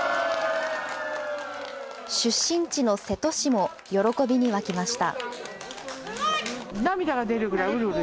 出身地の瀬戸市も、喜びに沸きました。